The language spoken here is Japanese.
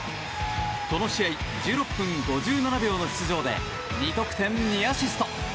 この試合１６分５７秒の出場で２得点２アシスト。